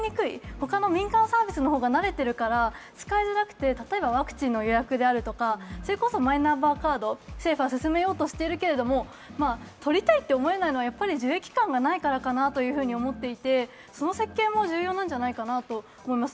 ほかの民間サービスの方が慣れてるから使いづらくて例えばワクチンの予約であるとか、それこそマイナンバーカード政府は進めようとしているけど取りたいと思えないのは受益感がないからかなと思っていてその設計も重要なんじゃないかなと思います。